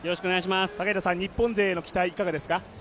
日本勢への期待、いかがですか？